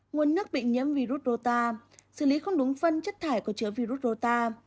nguồn nước bị nhiễm virus rô ta xử lý không đúng phân chất thải có chứa virus rô ta